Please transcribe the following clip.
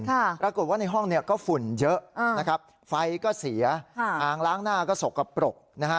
ปรากฏว่าในห้องเนี่ยก็ฝุ่นเยอะนะครับไฟก็เสียอ่างล้างหน้าก็สกปรกนะฮะ